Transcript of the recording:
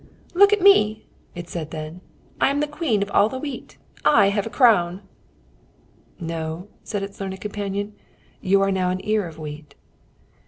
"Look at me!" it said then. "I am the queen of all the wheat. I have a crown." "No." said its learned companion. "You are now an ear of wheat."